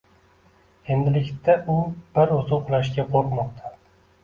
endilikda u bir o‘zi uxlashga qo‘rqmoqda.